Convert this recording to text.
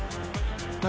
何？